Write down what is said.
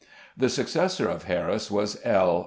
The successor of Harris was L.